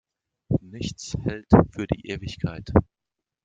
Nichts hält für die Ewigkeit.